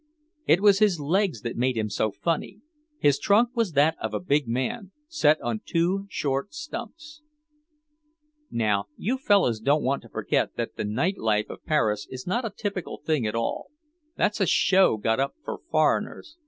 It was his legs that made him so funny; his trunk was that of a big man, set on two short stumps. "Now you fellows don't want to forget that the night life of Paris is not a typical thing at all; that's a show got up for foreigners....